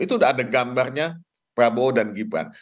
itu udah ada gambarnya prabowo dan gibran